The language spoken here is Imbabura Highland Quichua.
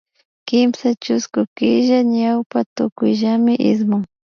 Kimsa chusku killa ñawpa tukuyllami ismun